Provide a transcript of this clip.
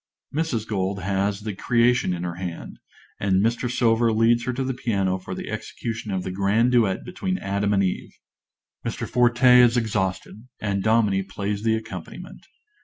(_Mrs. Gold has "The Creation" in her hand, and Mr. Silver leads her to the piano for the execution of the grand duet between Adam and Eve. Mr. Forte is exhausted, and Dominie plays the accompaniment.